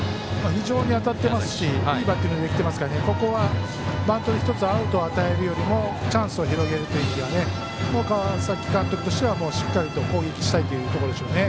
非常に当たっていますしいいバッティングできてますからここはバントで１つアウトを与えるよりもチャンスを広げるというように川崎監督としてはしっかりと攻撃したいというところでしょうね。